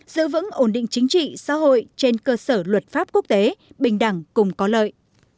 giữ vững ổn định chính trị xã hội trên cơ sở luật pháp quốc tế bình đẳng cùng có lợi